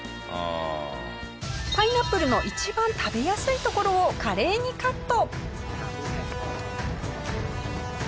パイナップルの一番食べやすいところを華麗にカット。